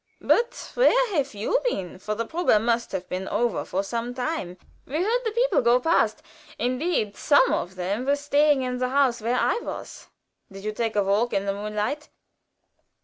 But where have you been, for the probe must have been over for some time? We heard the people go past; indeed, some of them were staying in the house where I was. Did you take a walk in the moonlight?"